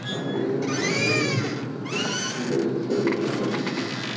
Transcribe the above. La mayoría de los trabajadores pasaban meses enteros aislados de sus familias.